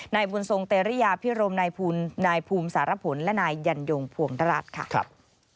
นายบุญทรงเตรียพิรมนายภูมิสารผลและนายยันยงพวงราชค่ะ